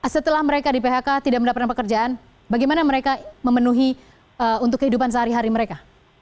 setelah mereka di phk tidak mendapatkan pekerjaan bagaimana mereka memenuhi untuk kehidupan sehari hari mereka